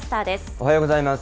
おはようございます。